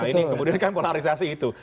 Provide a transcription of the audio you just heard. nah ini kemudian kan polarisasi itu